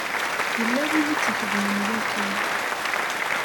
Yella win i tt-ixedmen yakan.